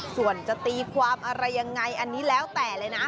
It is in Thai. ส่วนจะตีความอะไรยังไงอันนี้แล้วแต่เลยนะ